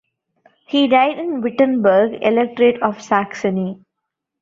He died in Wittenberg, Electorate of Saxony.